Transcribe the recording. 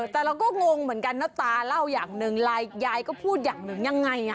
แต่เราก็งงเหมือนกันนะตาเล่าอย่างหนึ่งยายก็พูดอย่างหนึ่งยังไง